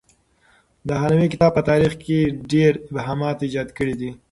د هانوې کتاب په تاریخ کې ډېر ابهامات ایجاد کړي دي.